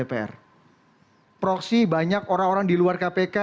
proksi banyak orang orang di luar kpk